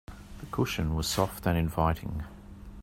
The cushion was soft and inviting.